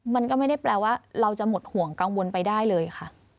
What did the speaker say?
มันก็ไม่ได้แปลว่าเราจะหมดห่วงกังวลไปได้เลยค่ะ